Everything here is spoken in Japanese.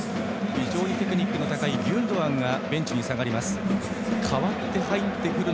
非常にテクニックの高いギュンドアンがベンチに下がる。